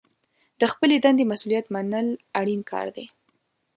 د خپلې دندې مسوولیت منل اړین کار دی.